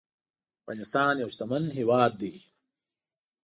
افغانستان يو شتمن هيواد دي